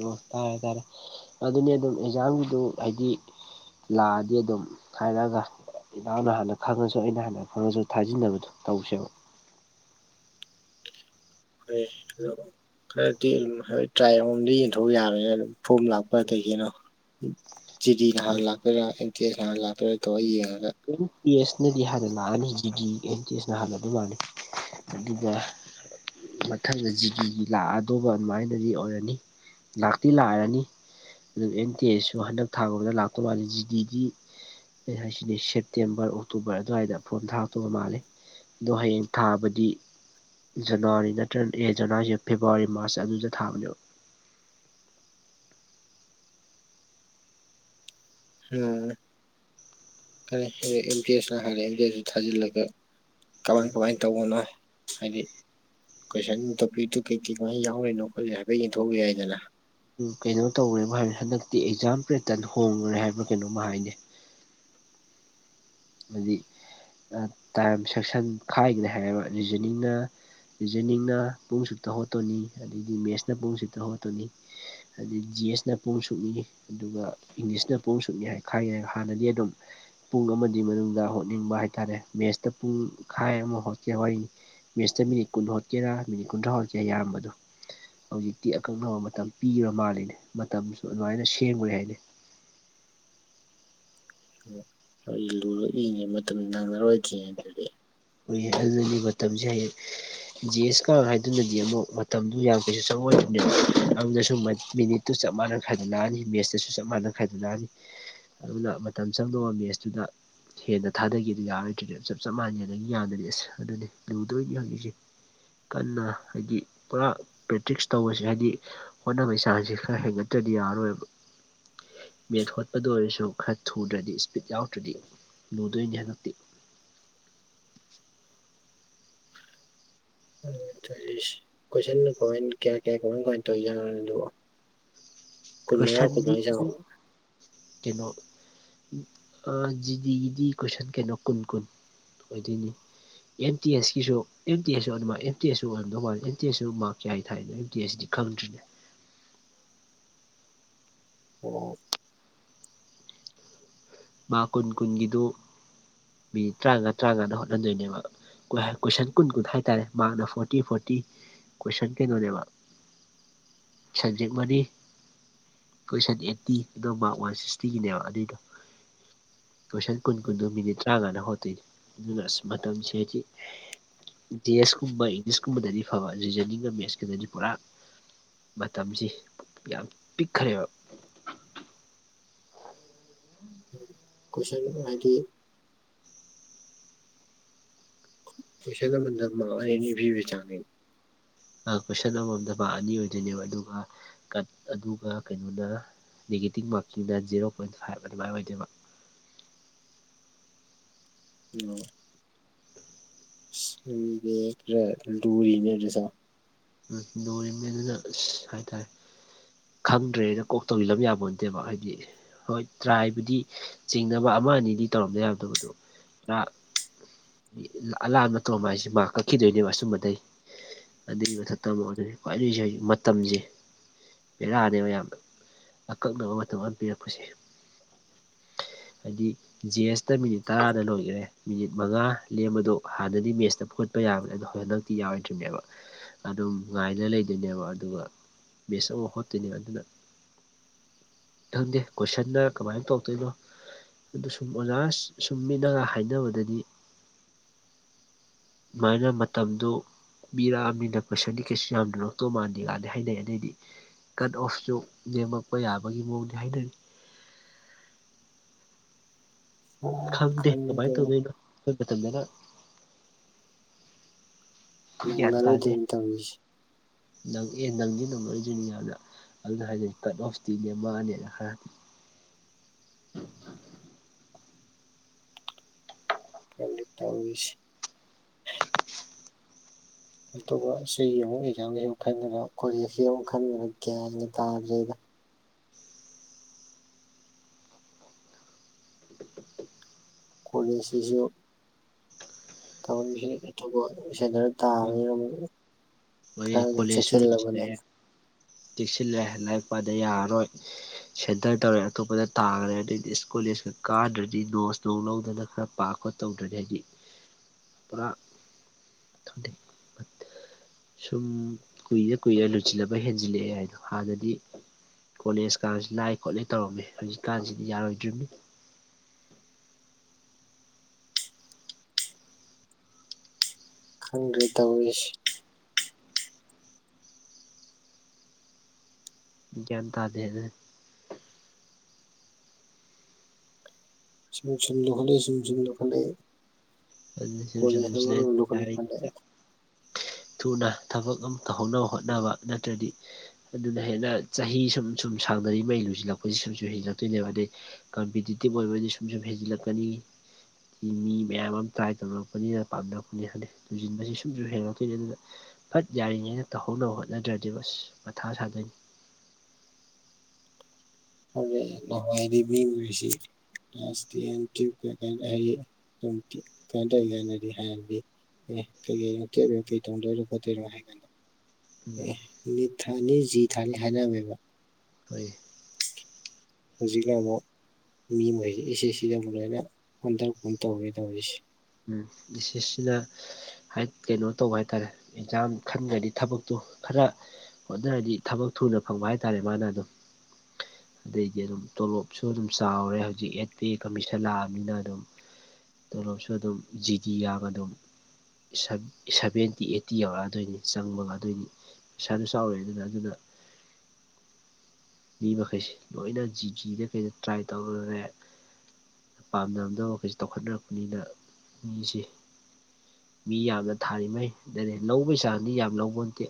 ꯑꯣ ꯇꯥꯔꯦ ꯇꯥꯔꯦ ꯑꯗꯨꯅꯦ ꯑꯗꯨꯝ ꯑꯦꯛꯖꯥꯝꯒꯤꯗꯨ ꯍꯥꯏꯗꯤ_ _ ꯂꯥꯛꯑꯗꯤ ꯑꯗꯨꯝ ꯍꯥꯏꯔꯛꯒ ꯏꯅꯥꯎꯅ ꯍꯥꯟꯅ ꯈꯪꯉꯁꯨ ꯑꯩꯅ ꯍꯥꯟꯅ ꯐꯣꯠꯁꯨ ꯊꯥꯖꯤꯟꯅꯕꯗꯨꯣ ꯇꯧꯁꯦꯕ ꯍ ꯍꯂꯣ ꯈꯔꯗꯤ ꯑꯗꯨ ꯍꯣꯏ ꯇꯔꯥ ꯑꯍꯨꯝꯗꯤ ꯌꯦꯟꯊꯣꯛ ꯌꯥꯔꯅꯤꯅꯦ ꯑꯗꯨꯝ ꯐꯣꯝ ꯂꯥꯛꯄ ꯀꯩꯒꯤꯅꯣ ꯖꯤ ꯖꯤ ꯅ ꯍꯥꯟꯅ ꯂꯥꯛꯇꯣꯏꯔ ꯑꯦꯝ ꯇꯦ ꯍꯥꯟ ꯂꯥꯛꯇꯣꯏꯔꯥ ꯇꯣꯔ ꯌꯦꯡꯉꯒ_ _ ꯑꯦꯟ ꯄꯤ ꯑꯦꯁꯅꯗꯤ ꯍꯥꯟꯅ ꯂꯥꯛꯑꯅꯤ ꯂꯦꯁꯄꯖꯤꯗꯤ ꯑꯦꯟ ꯍꯥꯟꯒꯗꯧ ꯃꯥꯟꯗꯦ ꯑꯗꯨꯒ_ _ ꯃꯊꯪꯗ ꯖꯤꯒꯤꯒꯤ ꯂꯥꯛꯑꯗꯣꯕ ꯑꯗꯨꯃꯥꯏꯅꯗꯤ ꯑꯣꯏꯔꯅꯤ ꯂꯥꯛꯇꯤ ꯂꯥꯛꯑꯔꯅꯤ꯫ ꯑꯗꯨꯒ ꯑꯦꯟ ꯇꯤ ꯑꯦꯁꯨ ꯍꯟꯗꯛ ꯊꯥꯡꯕꯗ ꯂꯥꯛꯇꯧ ꯃꯥꯜꯂꯦ ꯖꯤ ꯗꯤꯗꯤ ꯀ ꯍꯥꯏꯁꯤꯅꯦ ꯁꯦꯞꯇꯦꯝꯕꯔ ꯑꯣꯛꯇꯣꯕꯔ ꯑꯗꯨꯋꯥꯏꯗ ꯐꯣꯝ ꯊꯥꯔꯛꯇꯣꯕ ꯃꯥꯂꯦ ꯑꯗꯣ ꯍꯌꯦꯡ ꯊꯥꯕꯗꯤ ꯖꯅꯋꯥꯔꯤ ꯅꯠꯇ꯭ꯔꯗꯤ ꯑꯦ ꯖꯅꯋꯥꯔꯤꯍꯥꯏꯖꯦ ꯐꯦꯕꯋꯥꯔꯤ ꯃꯥꯁ ꯑꯗꯨꯗ ꯊꯥꯕꯅꯦꯕ꯫ ꯎ ꯑꯦꯝ ꯄꯤ ꯑꯦꯁꯅ ꯍꯥꯏꯔꯦ ꯑꯦꯝ ꯄꯤ ꯑꯦꯁꯁꯨ ꯊꯥꯖꯤꯜꯂꯒ [inaudible] ꯎꯝ ꯀꯃꯥꯏ ꯀꯃꯥꯏꯅ ꯇꯧꯕꯅꯣ ꯍꯥꯏꯗꯤ ꯀꯣꯏꯁꯟ ꯇꯣꯄꯤꯛꯇꯨ ꯀꯩ ꯀꯩꯃꯥꯏ ꯌꯥꯎꯔꯔꯤꯅꯣ ꯍꯥꯏꯐꯦꯠ ꯌꯦꯡꯊꯣꯛꯎ ꯌꯥꯏꯗꯅ ꯀꯩꯅꯣ ꯇꯧꯒ꯭ꯔꯦꯕꯨ ꯍꯥꯏꯕꯅꯦ ꯍꯟꯗꯛꯇꯤ ꯑꯦꯛꯖꯥꯝ ꯄꯦꯇ꯭ꯔꯟ ꯍꯣꯡꯉꯨꯔꯦ ꯍꯥꯏꯕ ꯀꯩꯅꯣꯝꯃ ꯍꯥꯏꯅꯦ꯫ ꯍꯥꯏꯗꯤ ꯇꯥꯏꯝ ꯁꯦꯛꯁꯟ ꯈꯥꯏꯒꯅꯤ ꯍꯥꯏꯕ ꯔꯤꯖꯅꯤꯡꯅ ꯔꯤꯖꯅꯤꯡꯅ ꯄꯨꯡ ꯁꯨꯛꯇ ꯍꯣꯇꯣꯅꯤ ꯑꯗꯩꯗꯤ ꯃꯦꯠꯁꯅ ꯄꯨꯡ ꯁꯨꯛꯇ ꯍꯣꯇꯣꯅꯤ꯫ ꯑꯗꯨꯗꯤ ꯖꯤ ꯑꯦꯁꯅ ꯄꯨꯡ ꯁꯨꯅꯤ ꯑꯗꯨꯒ ꯏꯪꯂꯤꯁꯅ ꯄꯨꯡ ꯁꯨꯛꯅꯤ ꯍꯥꯏ ꯈꯥꯏꯒꯦ ꯍꯥꯟꯅꯗꯤ ꯑꯗꯨꯝ ꯄꯨꯡ ꯑꯃ ꯑꯗꯨꯏ ꯃꯅꯨꯡꯗ ꯍꯣꯠꯅꯤꯡꯕ ꯍꯥꯏꯇꯥꯔꯦ ꯃꯦꯁꯇ ꯄꯨꯡꯈꯥꯏ ꯑꯃꯥ ꯍꯣꯠꯀꯦ ꯋꯥꯏꯅꯤ꯫ ꯃꯦꯁꯇ ꯃꯤꯅꯤꯠ ꯀꯨꯟ ꯍꯣꯠꯀꯦꯔ ꯃꯤꯅꯤꯠ ꯀꯨꯟꯊ꯭ꯔꯥ ꯍꯣꯠꯀꯦ ꯏꯌꯥꯝꯕꯗꯣ ꯍꯧꯖꯤꯛꯇꯤ ꯑꯀꯛꯅꯕ ꯃꯇꯝ ꯄꯤꯔꯃꯥꯂꯂꯦꯅꯦ ꯃꯇꯝꯁꯨ ꯑꯗꯨꯃꯥꯏꯅ ꯁꯦꯝꯃꯨꯔꯦ ꯍꯥꯏꯅꯦ꯫ ꯑꯣ ꯑꯩ ꯂꯨ ꯏꯉꯦ ꯃꯇꯝ ꯅꯪꯅꯔꯣꯏꯗ꯭ꯔꯤꯉꯩ ꯑꯗꯨꯗꯤ ꯑꯩꯈꯣꯏꯒꯤ ꯍꯟꯒꯤ ꯃꯇꯝꯁꯦ ꯍꯌꯦ ꯖꯤ ꯑꯦꯁ ꯀꯥ ꯍꯥꯏꯗꯨꯅꯘꯤ ꯑꯃꯨꯛ ꯃꯇꯝꯗꯨ ꯌꯥꯝ ꯀꯩꯁꯨ ꯆꯉꯣꯏ ꯑꯗꯁꯨ ꯃ ꯃꯤꯅꯤꯠ_ _ ꯇꯨ ꯆꯞ ꯃꯥꯟꯅ ꯈꯥꯏꯗꯣꯛꯂꯛꯑꯅꯤ ꯃꯦꯠꯁꯇꯁꯨ ꯆꯞ ꯃꯥꯟꯅ ꯈꯥꯏꯗꯣꯛꯛꯑꯅꯤ ꯑꯗꯨꯅ ꯃꯇꯝ ꯆꯪꯗꯅꯕ ꯃꯦꯠꯁꯇꯨꯗ ꯍꯦꯟꯅ ꯊꯥꯗꯒꯦꯗꯨ ꯌꯥꯔꯣꯏꯗ꯭ꯔꯗꯤ ꯆꯞ ꯆꯞ ꯃꯥꯟꯅꯩ꯫ ꯌꯥꯗ꯭ꯔꯗꯤ ꯑꯁ ꯑꯗꯨꯗꯤ ꯂꯨꯗꯣꯏꯗꯤ ꯍꯪꯉꯁꯦ ꯀꯟꯅ ꯍꯥꯏꯗꯤ ꯄꯨꯔꯥ ꯄ꯭ꯔꯦꯛꯇꯤꯁ ꯇꯧꯕꯁꯦ ꯍꯥꯏꯗꯤ ꯍꯣꯠꯅꯕꯩ ꯆꯥꯡꯁꯤ ꯈꯔ ꯍꯦꯟꯒꯠꯇ꯭ꯔꯗꯤ ꯌꯥꯔꯔꯣꯏꯕ꯫ ꯃꯦꯠ ꯍꯣꯠꯄꯗ ꯑꯣꯏꯔꯁꯨ ꯈꯔ ꯊꯨꯗ꯭ꯔꯗꯤ ꯏꯁꯄꯤꯠ ꯌꯥꯎꯗ꯭ꯔꯗꯤ ꯂꯨꯗꯣꯏꯅꯤ ꯍꯟꯗꯛꯇꯤ ꯧ ꯀꯣꯏꯁꯟ ꯀꯃꯥꯏ ꯀꯌꯥ ꯀꯌꯥ ꯀꯃꯥꯏ ꯀꯃꯥꯏꯅ ꯇꯧ ꯌꯥꯅꯣ ꯑꯗꯨꯕꯣ ꯀꯨꯟꯃꯉꯥ [unintelligible] ꯀꯣꯏꯁꯟꯗꯤ ꯆꯉꯛꯑꯣ꯫ ꯀꯩꯅꯣ ꯑ ꯖꯤ ꯗꯤ ꯒꯤꯗꯤ ꯀꯣꯏꯁꯟ ꯀꯩꯅꯣ ꯀꯣꯟ ꯀꯣꯟ꯫ ꯑꯣꯏꯗꯤꯅꯤ_ _ ꯑꯦꯝ ꯇꯤ ꯑꯦꯁꯀꯤꯁꯨ ꯑꯦꯝ ꯇꯤ ꯑꯦꯁ ꯑꯣꯟꯕ ꯑꯦꯝ ꯇꯤ ꯑꯦꯁꯁꯨ ꯑꯣꯏꯔꯝꯗꯧ ꯃꯥꯂꯦ ꯑꯦꯝ ꯇꯤ ꯑꯦꯁꯁꯨ ꯃꯥꯔꯛ ꯀꯌꯥꯏ ꯊꯥꯏꯅꯣ ꯑꯦꯝ ꯇꯤ ꯑꯦꯁ ꯗꯤ꯫ ꯈꯪꯇꯅꯤ [unintelligible] ꯃꯥ ꯀꯨꯟ ꯀꯨꯟꯒꯤꯗꯨ ꯃꯤꯅꯠ ꯇ꯭ꯔꯥꯉꯥ ꯇ꯭ꯔꯥꯉꯥꯗ ꯍꯣꯠꯍꯟꯗꯣꯏꯅꯦꯕ꯫ ꯀꯣꯏꯁꯟ ꯀꯨꯟ ꯀꯨꯟ ꯍꯥꯏ ꯇꯔꯦ ꯃꯍꯥꯛꯅ ꯐꯣꯔꯇꯤ ꯐꯣꯔꯇꯤ ꯀꯣꯏꯁꯟ ꯀꯩꯅꯣꯅꯦꯕ ꯖꯤ ꯃꯅꯤ ꯀꯣꯏꯁꯟ ꯑꯦꯠꯇꯤ ꯑꯗꯣ ꯃꯥꯛ ꯋꯥꯟ ꯁꯤꯛꯁꯇꯤꯒꯤꯅꯦꯕ ꯑꯗꯨꯏꯗꯣ꯫ ꯀꯣꯏꯁꯟ ꯀꯨꯟ ꯀꯨꯟꯗꯨ ꯃꯤꯅꯤꯠ ꯇꯔꯥꯉꯥꯅ ꯍꯣꯠꯇꯣꯏ ꯑꯗꯨꯅ ꯑꯁ ꯃꯇꯝꯁꯦ ꯍꯧꯖꯤ ꯗꯤꯑꯦꯁ ꯀꯨꯝꯕ ꯏꯪꯂꯤꯁꯀꯨꯝꯕꯗꯗꯤ ꯐꯕ ꯖꯤꯖꯅꯤꯡꯒ ꯃꯦꯠꯁꯀꯗꯗꯤ ꯄꯨꯔꯥ_ _ ꯃꯇꯝꯁꯤ ꯌꯥꯝ ꯄꯤꯛꯈ꯭ꯔꯦꯕ ꯀꯣꯏꯁꯟ ꯍꯥꯏꯗꯤ ꯄꯩꯁꯗ ꯃꯗ ꯃꯥꯅꯤ ꯐ ꯦ ꯆꯥꯅꯤ ꯑꯥ ꯀꯣꯏꯁꯟ ꯑꯃꯃꯝꯗ ꯀꯣ ꯑꯅꯤ ꯑꯣꯏꯗꯣꯏꯅꯦꯕ ꯑꯗꯨꯒ ꯀꯠ ꯑꯗꯨꯒ ꯀꯩꯅꯣꯅ_ _ ꯅꯦꯒꯦꯇꯤꯞ ꯃꯥꯔꯀꯤꯡꯗ ꯖꯤꯔꯣ ꯄꯣꯏꯟ ꯐꯥꯏꯕ ꯑꯗꯨꯃꯥꯏ ꯑꯣꯏꯗꯣꯏꯕ ꯎ [unintelligible] [inaudible] ꯏꯁ ꯍꯥꯏ ꯇꯥꯔꯦ꯫ ꯈꯪꯗ꯭ꯔꯦꯅ ꯀꯣꯛ ꯇꯧꯤꯜꯂꯝꯕ ꯌꯥꯕ ꯅꯠꯇꯦꯕ ꯍꯥꯏꯗꯤ ꯍꯣꯏ ꯇ꯭ꯔꯥꯏꯕꯨꯗꯤ ꯆꯤꯡꯅꯕ ꯑꯃ ꯑꯅꯤꯗꯤ ꯇꯧꯔꯝꯗ ꯌꯥꯗꯕꯗꯣꯔ꯫ ꯔꯥꯠ_ _ ꯑꯂꯥꯟꯕ ꯃꯇ ꯇꯣꯝ ꯍꯥꯏꯁꯦ ꯃꯥ ꯀꯛꯈꯤꯗꯣꯏꯅꯦꯕ ꯑꯁꯨꯝꯕꯗꯩ ꯑꯗꯨꯒꯤ ꯃꯊꯛꯇ ꯇꯃꯛꯑꯣꯗꯗꯤ ꯈ꯭ꯕꯥꯏꯗꯒꯤ ꯆꯥꯏꯖꯦ ꯃꯇꯝꯖꯦ ꯫ ꯕꯦꯔꯥꯅꯦ ꯃꯌꯥꯝ ꯑꯀꯛꯅꯕ ꯃꯇꯝꯧ ꯑꯃꯥ ꯄꯤꯔꯛꯄꯁꯦ꯫ ꯍꯥꯏꯗꯤ_ _ ꯖꯦꯁꯇ ꯃꯤꯅꯤꯠ ꯇꯔꯥꯅ ꯂꯣꯏꯈ꯭ꯔꯦ ꯃꯤꯅꯤꯠ ꯃꯉꯥ ꯂꯦꯝꯕꯗꯨꯣ ꯍꯥꯟꯅꯗꯤ ꯃꯦꯁꯇꯠ ꯄ ꯌꯥꯕꯅꯦ ꯑꯗꯣ ꯍꯣꯏ ꯍꯟꯗꯛꯇꯤ ꯌꯥꯔꯏꯗ꯭ꯔꯤꯅꯦꯕ ꯑꯗꯨꯝ ꯉꯥꯏꯅ ꯂꯩꯗꯣꯏꯅꯦꯕ ꯑꯗꯨꯒ ꯕꯦꯁ ꯑꯃꯃꯨꯛ ꯍꯣꯠꯇꯣꯏꯅꯦꯕ ꯑꯗꯨꯅ ꯈꯪꯗꯦ ꯀꯣꯏꯁꯟꯅ ꯀꯃꯥꯏꯅ ꯇꯧꯔꯛꯇꯣꯏꯅꯣ ꯑꯗꯨ ꯁꯨꯝ ꯑꯣꯖꯥ ꯁꯨꯝ ꯃꯤꯅꯒ ꯍꯥꯏꯅꯕꯗꯗꯤ_ _ ꯑꯃꯥꯏꯅ ꯃꯇꯝꯗꯨ ꯄꯤꯔꯥ ꯑꯝꯅꯤꯅ ꯀꯣꯏꯁꯟꯗꯤ ꯀꯩꯁꯨ ꯌꯥꯝꯅ ꯂꯧꯔꯛꯇꯧ ꯃꯥꯟꯗꯦ ꯀꯥꯏꯗꯤ ꯍꯥꯏꯅꯩ ꯑꯗꯩꯗꯤ ꯀꯠ ꯑꯣꯐꯁꯨ ꯅꯦꯝꯃꯛꯄ ꯌꯥꯕꯒꯤ ꯃꯑꯣꯡꯗꯤ ꯍꯥꯏꯅꯔꯤ ꯈꯪꯗꯦ ꯀꯃꯥꯏꯅ ꯇꯧꯗꯣꯏꯅꯣ ꯑꯩꯈꯣꯏ ꯃꯇꯝꯗꯅ ꯈꯣꯏ ꯒ꯭ꯌꯥꯟ ꯇꯥꯗꯦ ꯅꯪꯅꯔꯣꯏꯗꯣꯏ ꯇꯧꯔꯤꯁꯦ ꯅꯪꯑꯦ ꯅꯪꯖꯨ ꯅꯪꯉꯣꯏ ꯑꯩ ꯖꯨꯅꯤꯌꯥꯗ ꯑꯗꯨꯅ ꯍꯥꯏꯅꯩꯀꯠ ꯑꯣꯐꯇꯤ ꯅꯦꯝꯃꯛ ꯑꯅꯦꯅ ꯍꯔꯥ__ ꯈꯪꯗꯦ ꯇꯧꯔꯤꯁꯦ ꯑꯇꯣꯞꯄ ꯁꯤ [unintelligible] ꯑꯦꯛꯖꯥꯝ [unintelligible] ꯑꯃꯨꯛ ꯈꯟꯒꯗ꯭ꯔꯥ ꯀꯣꯂꯦꯖꯀꯤ ꯑꯃꯨꯛ ꯈꯟꯅꯗ꯭ꯥꯔ ꯒ꯭ꯌꯥꯟꯒ ꯇꯥꯗ꯭ꯔꯦꯗ ꯀꯣꯂꯦꯖꯀꯤꯁꯨ ꯇꯧꯔꯤꯁꯤꯅ [unintelligible] ꯑꯃꯨꯛ ꯃꯣꯏ ꯈꯔꯒ ꯀꯣꯂꯦꯖꯁꯨ ꯆꯦꯛꯁꯤꯜꯂꯕꯅꯦ ꯂꯣꯏꯁꯤꯜꯂꯛꯑꯦ ꯆꯦꯛꯁꯤꯜꯂꯦ ꯂꯥꯏꯔꯤꯛꯄꯥꯗ ꯌꯥꯔꯔꯣꯏ ꯁꯦꯟꯇꯔ ꯇꯧꯔꯦ ꯑꯇꯣꯞꯄꯗ ꯇꯥꯈ꯭ꯔꯦ ꯑꯗꯩꯗꯤ ꯏꯁ ꯀꯣꯂꯦꯁꯀ ꯀꯥꯗ꯭ꯔꯗꯤ ꯅꯣꯁ ꯅꯨꯡ ꯂꯧꯗꯅ ꯈꯔ ꯄꯥꯈꯣꯠ__ ꯇꯧꯗ꯭ꯔꯗꯤ ꯑꯩꯗꯤ ꯄꯨꯔꯥ [unintelligible] ꯁꯨꯝ ꯀꯨꯏꯔ ꯀꯨꯏꯔ ꯂꯨꯆꯤꯜꯂꯕ ꯍꯦꯟꯖꯤꯜꯂꯛꯑꯦ ꯍꯥꯏꯗꯣ ꯍꯥꯟꯅꯗꯤ ꯀꯣꯂꯦꯖ ꯀꯥꯕꯁꯤ ꯂꯥꯏ ꯈꯣꯠꯂꯤ ꯇꯧꯔꯝꯃꯤ ꯍꯧꯖꯤꯛꯀꯥꯟꯁꯤꯗꯤ ꯌꯥꯔꯣꯏꯗ꯭ꯔꯨꯝꯅꯤ ꯈꯪꯗ꯭ꯔꯦ ꯇꯧꯔꯤꯁꯤ ꯒ꯭ꯌꯥꯟ ꯇꯥꯗꯦ ꯑꯗꯨꯅꯤ ꯁꯨꯝ ꯁꯨꯝ ꯂꯨꯈꯠꯂꯛꯏ ꯁꯨꯝ ꯁꯨꯝ ꯂꯨꯈꯠꯂꯛꯏ ꯑꯩꯁꯨ ꯁꯨꯝ ꯁꯨꯝ ꯀꯣꯂꯦꯖꯅ ꯃꯔꯣꯟ ꯑꯃ ꯂꯨꯁꯤꯜꯂꯛꯑꯦ ꯂꯨꯈꯠꯂꯛꯄꯅꯦ ꯂꯥꯏꯔꯤꯛꯇ ꯊꯨꯅ ꯊꯕꯛ ꯑꯃ ꯇꯧꯍꯧꯅꯕ ꯍꯣꯠꯅꯕ ꯅꯠꯇ꯭ꯔꯗꯤ ꯑꯗꯨꯅ ꯍꯦꯟꯅ ꯆꯍꯤ ꯁꯨꯝ ꯁꯨꯝ ꯁꯥꯡꯅꯔꯤ ꯃꯩ ꯂꯨꯁꯤꯜꯂꯛꯄꯁꯤ ꯁꯨꯝꯁꯨꯝ ꯍꯦꯟꯖꯤꯜꯂꯛꯇꯣꯏꯅꯦꯕ ꯍꯥꯏꯗꯤ ꯀꯝꯄꯤꯇꯤꯇꯤꯞ ꯑꯣꯏꯕꯗꯤ ꯁꯨꯝ ꯁꯨꯝ ꯍꯦꯟꯖꯤꯜꯂꯛꯀꯅꯤ ꯊꯤ ꯃꯤ ꯃꯌꯥꯝ ꯑꯃ ꯇ꯭ꯔꯥꯏ ꯇꯧꯅꯔꯛꯄꯅꯤꯅ ꯄꯥꯝꯅꯔꯛꯄꯅꯤꯅ ꯈꯪꯗꯦ ꯂꯨꯁꯤꯟꯕꯁꯤ ꯁꯨꯝꯁꯨꯝ ꯍꯦꯟꯒꯠꯂꯛꯇꯣꯏꯅꯤ ꯑꯗꯨꯅ ꯐꯠ ꯌꯥꯔꯤꯉꯩꯖꯤꯗ ꯇꯧꯍꯧꯅꯕ ꯍꯣꯠꯅꯗ꯭ꯔꯗꯤꯕ ꯑꯁ ꯃꯊꯥ ꯁꯥꯗꯣꯏꯅꯤ [unintelligible] [unintelligible] ꯑꯦ ꯀꯩ ꯀꯩꯅꯣ ꯇ꯭ꯋꯦꯂꯐ ꯂꯣꯏꯔ ꯀꯩ ꯇꯝꯗꯣꯏꯅꯣ ꯈꯣꯠꯇꯣꯏꯅꯣ ꯍꯥꯏ ꯀꯥꯟꯗ ꯎꯝ ꯑꯦ ꯅꯤꯠ ꯊꯥꯅꯤ ꯖꯤ ꯊꯥꯅꯤ ꯍꯥꯏꯅꯔꯝꯃꯦꯕ ꯍꯣꯏ ꯍꯧꯖꯤꯛꯅ ꯑꯃꯨꯛ ꯃꯤ ꯃꯈꯩꯁꯦ ꯁꯦꯁ ꯁꯦꯁ ꯁꯤꯗ ꯑꯃꯨꯛ ꯂꯣꯏꯅ ꯑꯣꯟꯗꯔꯛꯄꯒꯨꯝ ꯇꯧꯋꯦ ꯇꯧꯔꯤꯁꯦ ꯎꯝ ꯗꯤꯁꯤꯁꯁꯤꯅ ꯍꯥꯏꯠ ꯀꯩꯅꯣ ꯇꯧꯕ ꯍꯥꯏꯇꯥꯔꯦ ꯑꯦꯛꯖꯥꯝ ꯈꯟꯒ꯭ꯔꯗꯤ ꯊꯕꯛꯇꯣ ꯈꯔ ꯍꯣꯠꯅꯔꯗꯤ ꯊꯕꯛ ꯊꯨꯅ ꯐꯪꯕ ꯍꯥꯏꯇꯥꯔꯦ ꯃꯥꯅ ꯑꯗꯨꯝ ꯑꯗꯩꯗꯤ ꯑꯗꯨꯝ ꯇꯣꯂꯣꯞꯁꯨ ꯑꯗꯨꯝ ꯆꯥꯎꯔꯦ ꯍꯧꯖꯤꯛ ꯑꯦꯠ ꯄꯦ ꯀꯃꯤꯁꯟ ꯂꯥꯛꯑꯕꯅꯤꯅ ꯑꯗꯨꯝ ꯇꯣꯂꯣꯞꯁꯨ ꯑꯗꯨꯝ ꯖꯤꯗꯤꯌꯥꯕ ꯑꯗꯨꯝ [unintelligible] ꯁꯚꯦꯟꯇꯤ ꯑꯩꯠꯇꯤ ꯌꯧꯔꯛꯑꯗꯣꯏꯅꯤ ꯆꯪꯕꯒꯗꯣꯏꯅꯤ ꯄꯩꯁꯥꯗꯨ ꯆꯥꯎꯋꯦ ꯑꯗꯨꯅ ꯑꯗꯨꯅ ꯃꯤ ꯃꯈꯩꯁꯦ ꯂꯣꯏꯅ ꯖꯤ ꯖꯤꯗ ꯀꯩꯗ ꯇ꯭ꯔꯥꯏ ꯇꯧꯔꯨꯔꯦ ꯄꯥꯝꯅꯔꯝꯕꯗꯕ ꯈꯩꯁꯨ ꯇꯧꯈꯠꯅꯔꯛꯄꯅꯤꯅ ꯃꯤꯁꯦ ꯃꯤ ꯌꯥꯝꯅ ꯊꯥꯔꯤꯉꯩ ꯑꯗꯅꯦ ꯂꯧꯕꯒꯤ ꯆꯥꯡꯗꯤ ꯌꯥꯝ ꯂꯧꯕ ꯅꯠꯇꯦ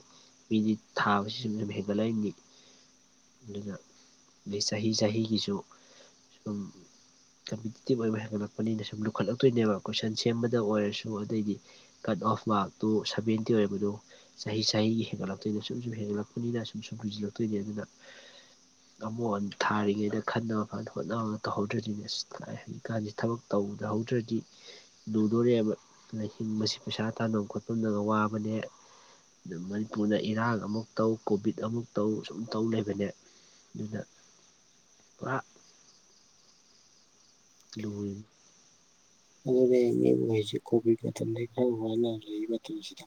ꯃꯤꯗꯤ ꯊꯥꯕꯁꯤ ꯁꯨꯨꯝꯁꯨꯝ ꯍꯦꯟꯒꯠꯂꯛꯏꯝꯅꯤ ꯑꯗꯨꯅ ꯑꯗꯩ ꯆꯍꯤ ꯆꯍꯤꯒꯤꯁꯨ ꯁꯨꯝ ꯀꯝꯄꯤꯇꯤꯇꯤꯞ ꯑꯣꯏꯕ ꯍꯦꯟꯒꯠꯂꯛꯄꯅꯤꯅ ꯁꯨꯝ ꯂꯨꯈꯠꯂꯛꯇꯣꯏꯅꯦꯕ ꯀꯣꯏꯁꯟ ꯁꯦꯝꯕꯗ ꯑꯣꯏꯔꯁꯨ ꯑꯗꯩꯗꯤ ꯀꯠ ꯑꯣꯐ ꯃꯥꯔꯛꯇꯨ ꯁꯚꯦꯟꯇꯤ ꯑꯣꯏꯔꯝꯃꯤꯗꯨ ꯆꯍꯤ ꯆꯍꯤꯒꯤ ꯍꯦꯟꯒꯠꯂꯛꯇꯣꯏꯅꯦ ꯁꯨꯝ ꯁꯨꯝ ꯍꯦꯟꯒꯠꯂꯛꯄꯅꯤꯅ ꯁꯨꯝ ꯁꯨꯝ ꯀꯨꯏꯖꯤꯜꯂꯛꯇꯣꯏꯅꯤ ꯑꯗꯨꯅ ꯑꯃꯨꯛ ꯊꯥꯔꯤꯉꯩꯗ ꯈꯟꯅꯕ ꯐꯅ ꯍꯣꯠꯅꯕ ꯇꯧꯍꯧꯗ꯭ꯔꯔꯤꯅꯤꯅꯦ ꯑ ꯍꯧꯖꯤꯛꯀꯥꯟꯁꯤ ꯊꯕꯛ ꯇꯧꯗꯍꯧꯗ꯭ꯔꯗꯤ ꯂꯨꯗꯣꯔꯦꯕꯤꯡ ꯃꯁꯤ ꯄꯩꯁꯥ ꯇꯥꯐꯝ ꯈꯣꯠꯐꯝꯗ ꯋꯥꯕꯅꯦ ꯑꯗꯨ ꯃꯅꯤꯄꯨꯔꯅ ꯏꯔꯥꯡ ꯑꯃꯨꯛ ꯇꯧ ꯀꯣꯚꯤꯠ ꯑꯃꯨꯛ ꯇꯧ ꯁꯨꯝ ꯇꯧ ꯂꯩꯕꯅꯦ ꯑꯗꯨꯅ ꯄꯨꯔꯥ ꯂ [unintelligible] ꯑꯗꯨꯅꯦ ꯃꯤꯍꯩꯁꯤꯦ ꯀꯣꯚꯤꯠ ꯃꯇꯝꯗ ꯈꯔ ꯅꯨꯡ ꯍꯥꯏꯥꯏꯅ ꯂꯩꯕ ꯃꯇꯝꯁꯤꯗꯨ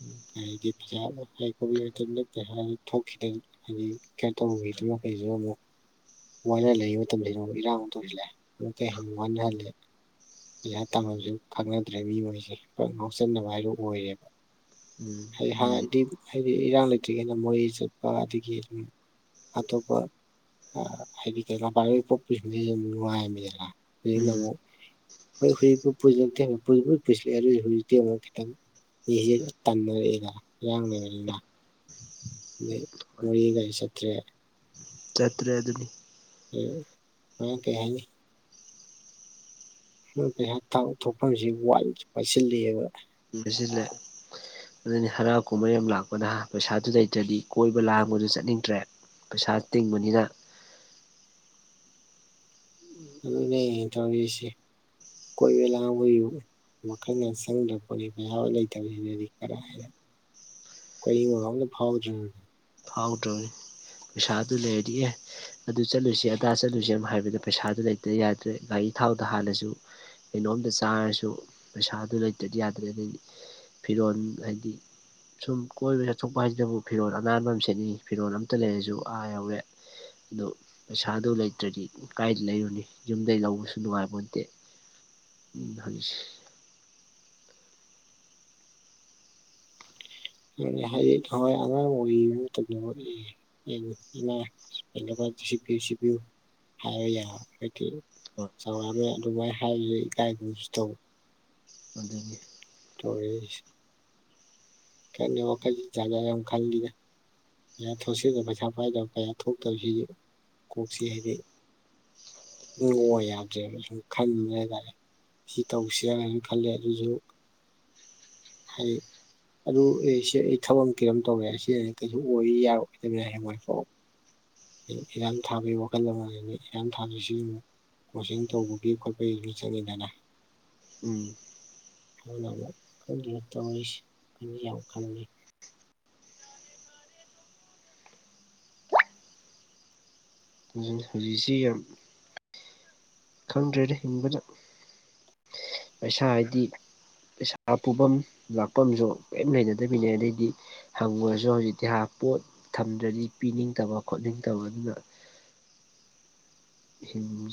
ꯎꯝ ꯍꯥꯏꯗꯤ ꯄꯩꯖꯥ ꯍꯥꯏ ꯈꯣꯠꯄꯤ ꯑꯗꯨꯅ ꯀꯩ ꯍꯥꯏ ꯊꯣꯛꯈꯤꯗ ꯍꯥꯏꯗꯤ ꯀꯩꯅ ꯇꯧꯔꯨꯈꯤꯗꯨꯃ ꯃꯈꯩꯁꯨ ꯑꯃꯨꯛ ꯋꯥꯅ ꯂꯩꯕ ꯃꯇꯝꯗ ꯅ ꯑꯃꯨꯛ ꯏꯔꯥꯡ ꯇꯧꯁꯤꯜꯂꯦ ꯑꯃꯨꯛ ꯀꯩ ꯍꯦꯟꯅ ꯋꯥꯅꯍꯜꯂꯦ ꯄꯩꯁꯥ ꯇꯝꯉꯅꯕꯁꯨ ꯈꯪꯅꯗ꯭ꯔꯦ ꯃꯤ ꯃꯣꯏꯁꯦ ꯈꯪ ꯉꯥꯎꯁꯟꯅꯕ ꯍꯥꯏꯗꯨꯣ ꯑꯣꯏꯔꯦꯕ ꯎꯝ ꯍꯥꯏꯗꯤ ꯑꯗꯨꯅꯤ ꯍꯥꯟꯗꯤ ꯍꯥꯏꯗꯤ ꯏꯔꯥꯡ ꯂꯩꯇ꯭ꯔꯤꯉꯩꯗ ꯃꯣꯔꯦ ꯆꯠꯄ ꯑꯗꯒꯤ ꯑꯗꯨꯝ ꯑꯇꯣꯞꯄ ꯍꯥꯏꯗꯤ ꯀꯩ ꯂꯝꯄꯥꯛꯒꯤ ꯄꯣꯛꯄꯁꯤꯡꯁꯤꯁꯨ ꯑꯗꯨꯝ ꯅꯨꯡꯉꯥꯏꯔꯝꯃꯤꯗꯅ ꯎꯝ ꯑꯃꯨꯛ ꯍꯣꯏ ꯍꯨꯖꯤꯛ ꯄꯨ ꯄꯨꯁꯤꯜꯂꯛꯦ ꯍꯧꯨꯖꯤꯛꯇ ꯑꯃꯨꯛ ꯈꯤꯇꯪ ꯏꯁꯤ ꯇꯥꯟꯟꯅꯔꯛꯏꯅ ꯏꯔꯥꯡꯅꯔꯅꯤꯅ ꯑꯗꯩ ꯃꯣꯔꯦꯒ ꯆꯠꯇ꯭ꯔꯦ ꯆꯠꯇ꯭ꯔꯦ ꯑꯗꯨꯅꯤ [unintelligible] ꯄꯩꯁꯥ ꯊꯣꯛꯐꯝꯁꯤ ꯋꯥꯥꯏꯁꯤꯜꯂꯦꯕ ꯋꯥꯁꯤꯜꯂꯦ ꯑꯗꯨꯅꯤ ꯍꯔ ꯀꯨꯝꯍꯩ ꯌꯥꯝ ꯂꯥꯛꯄꯅ ꯄꯩꯁꯥꯗꯨ ꯂꯩꯇ꯭ꯔꯗꯤ ꯀꯣꯏꯕ ꯂꯥꯡꯕꯗꯨ ꯆꯠꯅꯤꯡꯗ꯭ꯔꯦ ꯄꯩꯁꯥ ꯇꯤꯡꯕꯅꯤꯅ ꯑꯗꯨꯅꯦ ꯇꯧꯔꯤꯁꯦ ꯀꯣꯏꯕ ꯂꯥꯡꯕꯒꯤ ꯋꯥꯈꯜꯅ ꯆꯪꯗ꯭ꯔꯕ ꯄꯣꯠꯂꯤ ꯃꯌꯥꯝ ꯑꯃ ꯂꯩꯇꯕꯕꯁꯤꯅꯗꯤ ꯀꯔ ꯍꯥꯏꯔ ꯑꯩꯣꯏꯏꯪꯕ ꯑꯃꯇ ꯐꯥꯎꯗ꯭ꯔꯤꯉꯗꯤ ꯐꯥꯎꯗ꯭ꯔꯅꯤ ꯄꯩꯁꯥꯗꯨ ꯂꯩꯔꯤꯌꯦ ꯑꯗꯨ ꯆꯠꯂꯨꯁꯤ ꯑꯗꯥ ꯆꯠꯂꯨꯁꯤ ꯍꯥꯏꯕꯗ ꯄꯩꯁꯥꯗꯨ ꯂꯩꯇ ꯌꯥꯗ꯭ꯔꯦ ꯒꯥꯔꯤ ꯊꯥꯎꯗ ꯍꯥꯜꯂꯁꯨ ꯀꯩꯅꯣꯝꯇ ꯆꯥꯔꯁꯨ ꯄꯩꯁꯥꯗꯨ ꯂꯩꯇꯗꯤ ꯌꯥꯗ꯭ꯔꯦ ꯑꯗꯩꯗꯤ ꯐꯤꯔꯣꯜ ꯍꯥꯏꯗꯤ ꯁꯨꯝ ꯀꯣꯏꯕ ꯆꯠꯊꯣꯛꯄ ꯍꯥꯏꯁꯤꯅꯕꯨ ꯐꯤꯔꯣꯜ ꯑꯅꯥꯟꯕ ꯁꯦꯠꯅꯤ ꯐꯤꯔꯣꯜ ꯑꯝꯇ ꯂꯩꯔꯁꯨ ꯑꯥ ꯌꯧꯋꯦ ꯑꯗꯨ ꯄꯩꯁꯥꯗꯨ ꯂꯩꯇ꯭ꯔꯗꯤ ꯀꯥꯏꯗ ꯂꯩꯔꯨꯅꯤ ꯌꯨꯝꯗꯒꯤꯩ ꯂꯧꯕꯁꯨ ꯅꯨꯡꯉꯥꯏꯕ ꯅꯠꯇꯦ ꯎꯝ ꯍꯥꯏꯁ ꯍꯥꯏꯗꯤ ꯊꯋꯥꯏ ꯑꯉꯥꯡ ꯑꯣꯏ ꯃꯇꯝꯗ ꯑꯦ ꯏꯃ ꯀꯩꯅ ꯁꯤꯕꯤꯌꯨ ꯁꯤꯕꯤꯌꯨ ꯍꯥꯏꯕ ꯌꯥ ꯑꯩꯗꯤ ꯍꯣꯏ ꯆꯥꯎꯔꯥꯛꯃꯦ ꯑꯗꯨꯃꯥꯏ ꯍꯥꯏꯔꯤꯁꯦ ꯏꯀꯥꯏꯒꯨꯝꯁꯨ ꯇꯧ ꯑ [inaudible] ꯇ [unintelligible] ꯀꯅꯦ ꯋꯥꯈꯩ ꯖꯒꯥ ꯌꯥꯝꯨ ꯈꯜꯂꯤꯗꯦ ꯀꯌꯥ ꯊꯣꯛꯁꯤꯜꯗꯕ ꯄꯩꯁꯥ ꯄꯥꯏꯗꯕ ꯀꯌꯥ ꯊꯣꯛꯇꯕ ꯀꯣꯛꯁꯤ ꯍꯥꯏꯗꯤ ꯅ ꯌꯥꯗ꯭ꯔꯦꯕ ꯁꯨꯝ ꯈꯟꯕꯅꯦ ꯍꯥꯏꯇꯥꯔꯦ ꯁꯤ ꯇꯧꯁꯤꯔꯥꯥꯏꯅ ꯈꯜꯂꯦ ꯑꯗꯨꯁꯨ ꯍꯥꯏ ꯑꯗꯨ ꯑꯦ ꯁꯤ ꯑꯩ ꯊꯕꯛ ꯀꯔꯝ ꯇꯧꯒ ꯁꯤ ꯀꯩ ꯑꯣꯏ ꯌꯥꯔꯗꯕ ꯌꯥꯏ ꯃꯣꯏ ꯏꯔꯥꯡ ꯊꯥꯕꯒꯤ ꯋꯥꯈꯜꯗ ꯑꯃ ꯂꯩꯅꯤ ꯏꯔꯥꯡ ꯊꯥꯕꯁꯤ ꯑꯃꯨꯛ ꯀꯣꯆꯤꯡ ꯇꯧꯕꯒꯤ ꯈꯣꯠꯄꯒꯤ ꯃꯤ ꯆꯪꯉꯤꯗꯅ ꯎꯝ ꯍꯅ ꯑꯃꯨꯛ ꯀꯟꯒ ꯇꯧꯔꯤꯁꯦ ꯑꯩꯁ ꯌꯥꯝ ꯈꯪꯉꯦ ꯍꯧꯖꯤꯛꯁꯤ ꯌꯥꯝ ꯈꯪꯗ꯭ꯔꯦꯅ ꯍꯤꯡꯕꯗ ꯄꯩꯁꯥ ꯍꯥꯏꯗꯤ ꯄꯩꯁꯥ ꯄꯨꯐꯝ ꯂꯥꯛꯐꯝꯁꯨ ꯀꯔꯤꯝ ꯂꯩꯅꯗꯕꯤꯅꯦ ꯑꯗꯩꯗꯤ ꯍꯪꯉꯨꯔꯁꯨ ꯍꯧꯖꯤꯛꯇꯤ ꯄꯣꯠ ꯊꯝꯗ꯭ꯔꯗꯤ ꯄꯤꯅꯤꯡꯗꯕ ꯈꯣꯠꯅꯤꯡꯗꯕ ꯑꯗꯨꯅ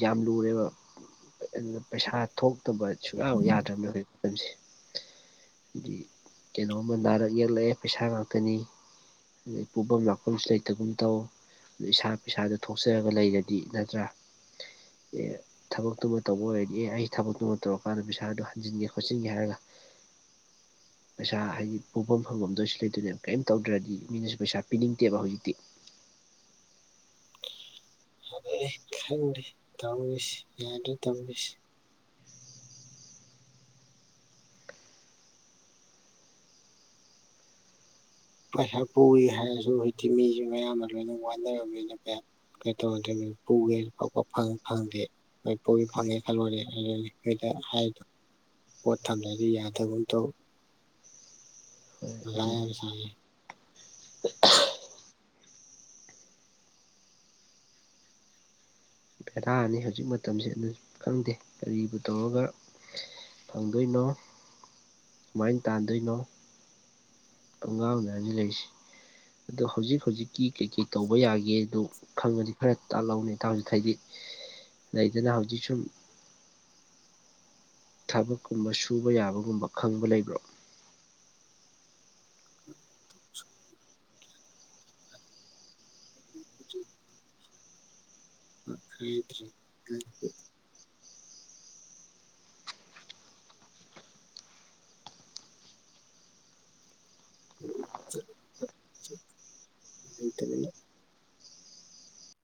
ꯌꯥꯝ ꯂꯨꯔꯦꯕ ꯑꯗꯨ ꯄꯩꯁꯥ ꯊꯣꯛꯇꯕ ꯁꯨꯡꯌꯥ ꯌꯥꯗ꯭ꯔꯕꯅꯦ ꯍꯧꯖꯤꯣꯏ ꯃꯇꯝꯁꯦ ꯍꯥꯏꯗꯤ ꯀꯩꯅꯣꯝꯃ ꯅꯥꯔꯛ ꯌꯦꯛꯂꯛꯑꯦ ꯄꯩꯁꯥ ꯉꯥꯛꯇꯅꯤ ꯑꯗꯩ ꯄꯨꯐꯝ ꯂꯥꯛꯐꯝꯁꯨ ꯂꯩꯇꯒꯨꯝ ꯇꯧ ꯑꯗꯨ ꯏꯁꯥ ꯄꯩꯁꯥꯗ ꯊꯣꯛꯆꯔꯒ ꯂꯩꯔꯗꯤ ꯅꯠꯇ꯭ꯔꯥ ꯑꯦ ꯊꯕꯛꯇꯨꯃ ꯇꯧꯕ ꯑꯣꯏꯔꯗꯤ ꯑꯦ ꯑꯩ ꯊꯕꯛꯇꯨꯃ ꯇꯧꯔꯀꯥꯟꯗ ꯄꯩꯁꯥꯗꯨ ꯍꯟꯖꯤꯟꯒꯦ ꯈꯣꯠꯆꯤꯟꯒꯦ ꯍꯥꯏꯔꯒ [inaudible] ꯄꯩꯁꯥ ꯍꯥꯏꯗꯤ ꯄꯣꯛꯐꯝ ꯐꯪꯐꯝꯗ ꯑꯣꯏꯁꯨ ꯂꯩꯗꯣꯏꯅꯦꯕ ꯀꯔꯤꯝ ꯇꯧꯗ꯭ꯔꯗꯤ ꯃꯤꯅꯁꯨ ꯄꯩꯁꯥ ꯄꯤꯅꯤꯡꯗꯦꯕ ꯍꯧꯖꯤꯛꯇꯤ ꯈꯪꯗꯦ ꯇꯧꯃꯤꯁꯤ ꯌꯥꯗ ꯇꯧꯃꯤꯁꯤ ꯄꯩꯁꯥ ꯄꯨꯏ ꯍꯥꯏꯔꯁꯨ ꯍꯧꯖꯤꯛꯇꯤ ꯃꯤꯁꯨ ꯃꯌꯥꯝꯅ ꯂꯣꯏꯅ ꯋꯥꯅꯔꯝꯃꯤꯅ ꯀꯩ ꯇꯧꯔꯗꯦ ꯄꯨꯒꯦꯅ ꯐꯕ ꯐꯪꯗꯦ ꯍꯣꯏ ꯄꯨ ꯍꯣꯏ ꯐꯪꯉꯦ ꯈꯜꯂꯔꯦ ꯍꯥꯏꯗꯣ ꯄꯣꯠ ꯊꯝꯗꯗꯤ ꯌꯥꯗꯕ ꯑꯃ ꯇꯧ ꯍꯣꯏ ꯑ ꯑꯗꯨꯅꯤ ꯌꯥꯝ ꯁꯦ ꯍꯥꯅꯤ ꯍꯧꯖꯤꯛ ꯃꯇꯝꯁꯦ ꯑꯗꯨ ꯈꯪꯗꯦ ꯀꯔꯤꯕꯨ ꯇꯧꯔꯒ ꯐꯪꯗꯣꯏꯅꯣ ꯁꯨꯃꯥꯏꯅ ꯇꯥꯟꯗꯣꯏꯅꯣ ꯑꯪꯒꯥꯥꯡꯝꯗꯖꯤ ꯂꯩꯔꯤꯁꯤ ꯑꯗ ꯍꯧꯖꯤꯛ ꯍꯧꯖꯤꯛꯀꯤ ꯀꯩ ꯀꯩ ꯇꯧꯕ ꯌꯥꯒꯦ ꯑꯗꯨ ꯈꯪꯕꯗꯤ ꯈꯔ ꯇꯥꯛꯍꯧꯅꯤ ꯍꯧꯖꯤꯛ ꯍꯥꯏꯩꯗꯤ ꯂꯩꯗꯅ ꯍꯧꯖꯤꯛ ꯁꯨꯝ ꯊꯕꯛꯀꯨꯝꯕ ꯁꯨꯕ ꯌꯥꯕꯒꯨꯝꯕ ꯈꯪꯕ ꯂꯩꯕ꯭ꯔꯣ [inaudible] ꯎ ꯍꯥꯏ ꯊꯔꯤ ꯎꯝ